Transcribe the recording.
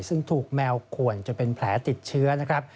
ซึ่งถูกแมวขวนจนเป็นแผลติดเชื้อนะครับ